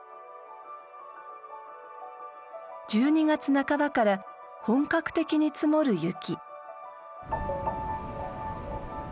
１２月半ばから本格的に積もる雪。